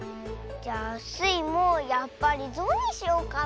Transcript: じゃあスイもやっぱりゾウにしようかなあ。